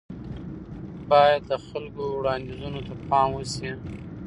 بايد د خلکو وړانديزونو ته پام وشي.